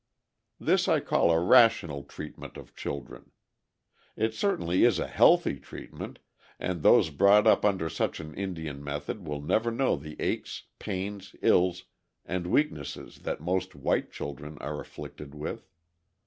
This I call a rational treatment of children. It certainly is a healthy treatment, and those brought up under such an Indian method will never know the aches, pains, ills, and weaknesses that most white children are afflicted with.